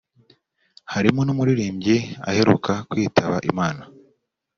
harimo n’umuririmbyi aheruka kwitaba Imana